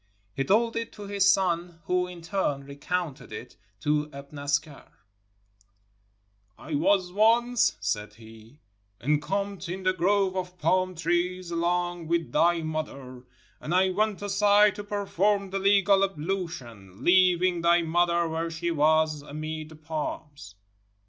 He told it to his son, who in turn recounted it to Ibn Askar :— "I was once," said he, "encamped in a grove of pakn trees, along with thy mother, and I went aside to per form the legal ablution, leaving thy mother where she was, amid the palms.